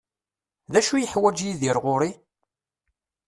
D acu i yeḥwaǧ Yidir ɣur-i?